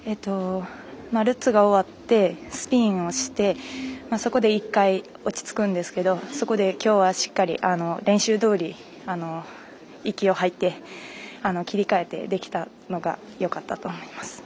ルッツが終わってスピンをしてそこで１回落ち着くんですけどそこできょうはしっかり練習どおり息を吐いて切り替えてできたのがよかったと思います。